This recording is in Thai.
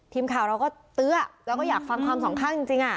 ทีมข่าวเราก็เตื้อแล้วก็อยากฟังความสองข้างจริง